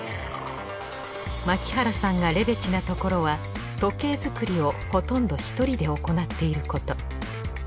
牧原さんがレベチなところは時計作りをほとんど１人で行っていること。